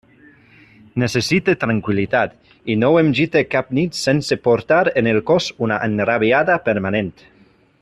Necessite tranquil·litat, i no em gite cap nit sense portar en el cos una enrabiada permanent.